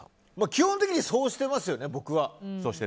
基本的にそうしてます、僕は。